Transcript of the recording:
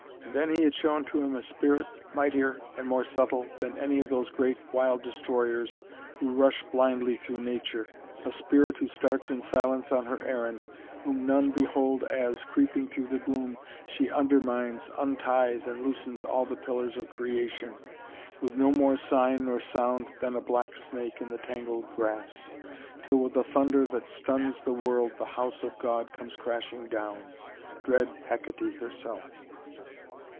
And then he had shown to him a spirit mightier and more subtle than any of those great wild destroyers who rush blindly through nature, a spirit who starts in silence on her errand, whom none behold as, creeping through the gloom, she undermines, unties and loosens all the pillars of creation, with no more sign nor sound than a black snake in the tangled grass, till with a thunder that stuns the world the house of God comes crashing down dread Hekaté herself.